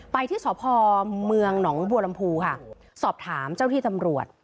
ไปที่สดภพฯเมืองตะแห่งหลวงบูรรรมภูไขศพถามเจ้าที่ถำรวจ